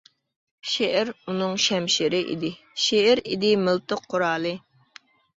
شېئىر ئۇنىڭ شەمشىرى ئىدى، شېئىر ئىدى مىلتىق قورالى.